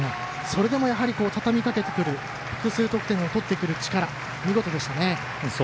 それでも、やはり畳みかけてくる複数得点を取ってくる力見事でしたね。